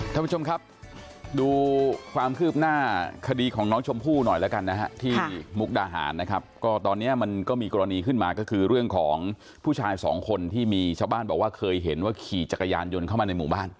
ท่านผู้ชมครับดูความคืบหน้าคดีของน้องชมพู่หน่อยแล้วกันนะฮะที่มุกดาหารนะครับก็ตอนนี้มันก็มีกรณีขึ้นมาก็คือเรื่องของผู้ชายสองคนที่มีชาวบ้านบอกว่าเคยเห็นว่าขี่จักรยานยนต์เข้ามาในหมู่บ้าน